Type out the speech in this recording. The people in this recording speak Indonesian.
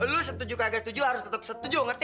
lo setuju kagak setuju harus tetep setuju ngerti